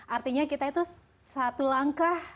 artinya kita itu satu langkah